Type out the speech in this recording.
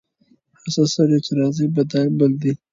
هغه سړی چې راځي، بل دی.